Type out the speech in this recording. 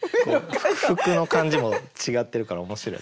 服の感じも違ってるから面白い。